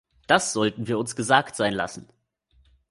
Das sollten wir uns gesagt sein lassen.